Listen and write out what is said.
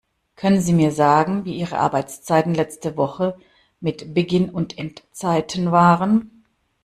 Können Sie mir sagen, wie Ihre Arbeitszeiten letzte Woche mit Beginn und Endzeiten waren?